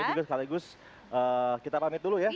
juga sekaligus kita pamit dulu ya